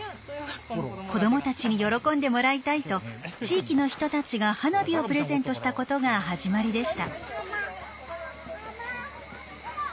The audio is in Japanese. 子どもたちに喜んでもらいたいと地域の人たちが花火をプレゼントした事が始まりでした。